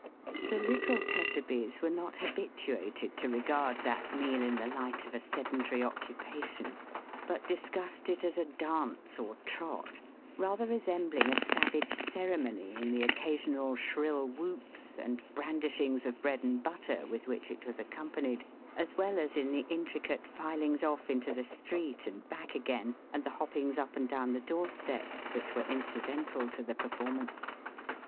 The little Tetterbys were not habituated to regard that meal in the light of a sedentary occupation, but discussed it as a dance or trot; rather resembling a savage ceremony, in the occasional shrill whoops, and brandishings of bread und butter, with which it was accompanied, as well as in the intricate filings oft' into the street and' back again, and the hoppings up and down the doorsteps, which were incidental to the performance.